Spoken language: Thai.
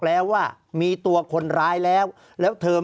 ภารกิจสรรค์ภารกิจสรรค์